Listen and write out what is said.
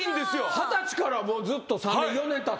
二十歳から３年４年たって。